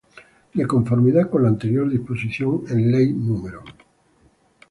De conformidad con la anterior disposición, en ley No.